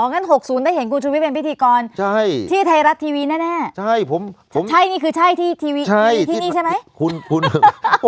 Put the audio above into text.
งั้น๖๐ได้เห็นคุณชุวิตเป็นพิธีกรที่ไทยรัฐทีวีแน่ใช่ผมใช่นี่คือใช่ที่ทีวีที่นี่ใช่ไหม